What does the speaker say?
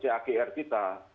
grup cagr kita